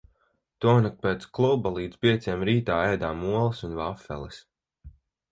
Tonakt pēc kluba līdz pieciem rītā ēdām olas un vafeles.